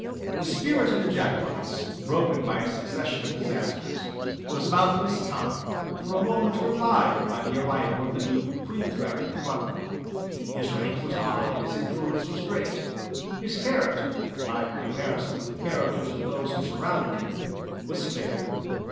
The spirit of the Jacobites, broken by a succession of disasters, was, about this time, for a moment revived by the arrival of the Duke of Queensberry from London. His rank was high and his influence was great: his character, by comparison with the characters of those who surrounded him, was fair.